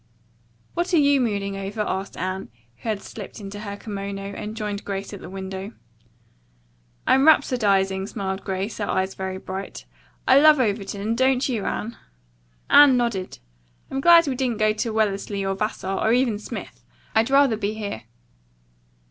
"What are you mooning over?" asked Anne, who had slipped into her kimono and joined Grace at the window. "I'm rhapsodizing," smiled Grace, her eyes very bright. "I love Overton, don't you, Anne?" Anne nodded. "I'm glad we didn't go to Wellesley or Vassar, or even Smith. I'd rather be here."